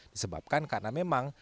disebabkan karena memang